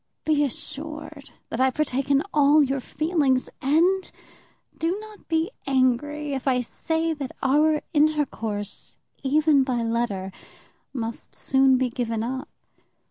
Be assured that I partake in all your feelings, and do not be angry if I say that our intercourse, even by letter, must soon be given up.